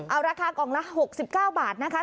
เอาราคากล่องละ๖๙บาทนะคะ